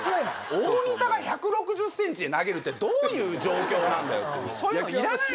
大仁田が１６０ｃｍで投げるってどういう状況なんだよ